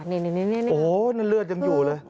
นี่โอ้โหนั่นเลือดยังอยู่เลย